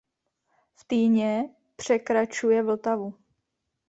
V Týně překračuje Vltavu.